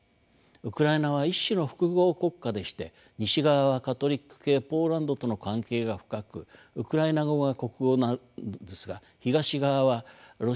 ウクライナは一種の複合国家でして西側はカトリック系ポーランドとの関係が深くウクライナ語が国語なのですが東側はロシア語を使い正教的で